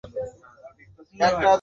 তাহলে জিলাপির নাস্তা করবেন?